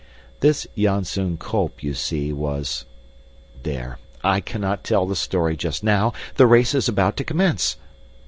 This Janzoon Kolp, you see, was There, I cannot tell the story just now. The race is about to commence.